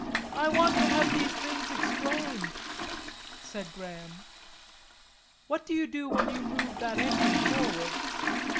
"I want to have these things explained," said Graham. "What do you do when you move that engine forward?"